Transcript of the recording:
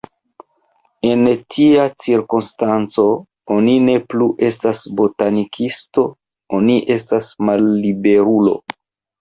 En tia cirkonstanco, oni ne plu estas botanikisto, oni estas malliberulo.